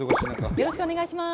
よろしくお願いします。